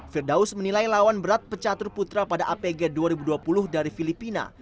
firdaus menilai lawan berat pecatur putra pada apg dua ribu dua puluh dari filipina